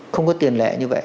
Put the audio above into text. không có tiền lệ như vậy